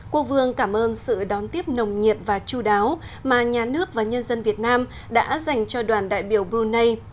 cô vương cảm ơn sự đón tiếp nồng nhiệt và chú đáo mà nhà nước và nhân dân việt nam đã dành cho đoàn đại biểu brunei